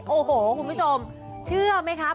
โอ้โหคุณผู้ชมเชื่อไหมคะ